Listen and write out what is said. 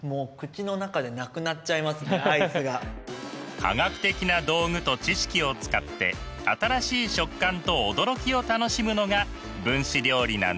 科学的な道具と知識を使って新しい食感と驚きを楽しむのが分子料理なんですね。